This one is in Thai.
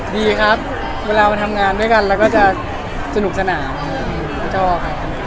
ดีครับเวลามาทำงานด้วยกันแล้วก็จะสนุกสนามไม่ชอบ